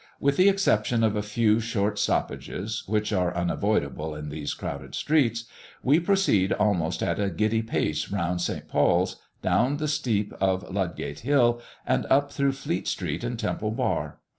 With the exception of a few short stoppages, which are unavoidable in these crowded streets, we proceed almost at a giddy pace round St. Paul's, down the steep of Ludgate Hill, and up through Fleet Street and Temple Bar.